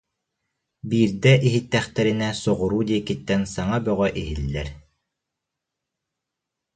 Биирдэ иһиттэхтэринэ соҕуруу диэкиттэн саҥа бөҕө иһиллэр